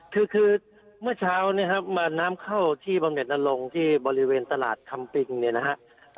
คือคือเมื่อเช้าเนี่ยครับมาน้ำเข้าที่บำเน็ตนรงค์ที่บริเวณตลาดคำปิงเนี่ยนะฮะ